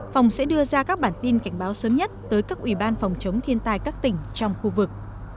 phòng sẽ đưa ra các bản tin cảnh báo sớm nhất tới các ủy ban phòng chống thiên tai các tỉnh trong khu vực